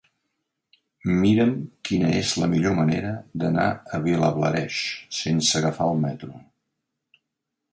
Mira'm quina és la millor manera d'anar a Vilablareix sense agafar el metro.